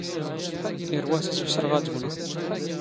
ⵉⵔⵡⴰⵙ ⵉⵙ ⵓⵙⵔⵖ ⴰⴷ ⴳⵏⵖ.